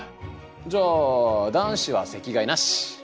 じゃあ男子は席替えなし！